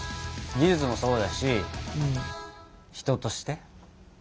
技術もそうだし人として？